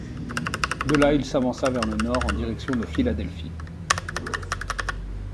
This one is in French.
De là, il s'avança vers le nord en direction de Philadelphie.